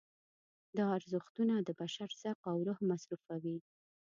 دا ارزښتونه د بشر ذوق او روح مصرفوي.